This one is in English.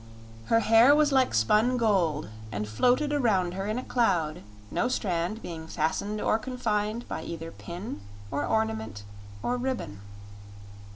Her hair was like spun gold and flowed around her in a cloud, no strand being fastened or confined by either pin or ornament or ribbon.